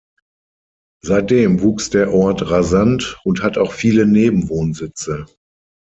Seitdem wuchs der Ort rasant und hat auch viele Nebenwohnsitze.